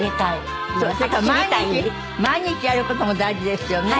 毎日やる事も大事ですよね。